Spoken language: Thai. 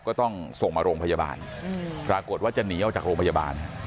ก็ต้องส่งมาโรงพยาบาลปรากฏว่าจะหนีออกจากโรงพยาบาล